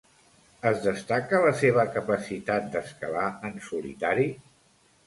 Es destaca la seva capacitat d'escalar en solitari?